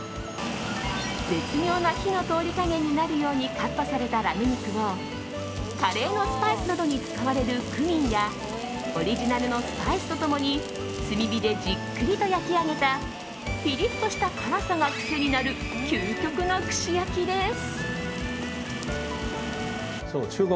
絶妙な火の通り加減になるようにカットされたラム肉をカレーのスパイスなどに使われるクミンやオリジナルのスパイスと共に炭火でじっくりと焼き上げたピリッとした辛さが癖になる究極の串焼きです。